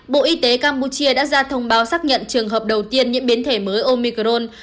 bộ y tế campuchia đã ra thông báo xác nhận trường hợp đầu tiên nhiễm biến thể mới omicron